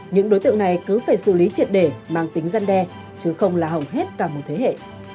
những đối tượng này cứ phải xử lý triệt để mang tính gian đe chứ không là hầu hết cả một thế hệ